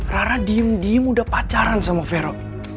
rara diem diem udah pacaran sama vero